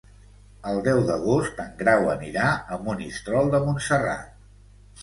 El deu d'agost en Grau anirà a Monistrol de Montserrat.